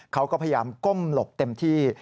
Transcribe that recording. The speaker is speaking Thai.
เขาก็พยายามก้มหลบเต็มที่